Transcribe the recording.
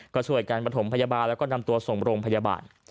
ก็ช่วยกันประถมพยาบาลแล้วก็นำตัวส่งโรงพยาบาล